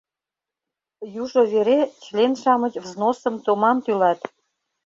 Южо вере член-шамыч взносым томам тӱлат.